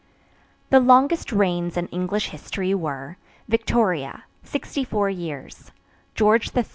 The longest reigns in English history were; Victoria, 64 years; George III.